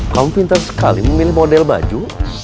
kamu pinter sekali memilih model baju